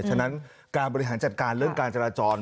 ฉะนั้นการบริหารจัดการเรื่องการจราจร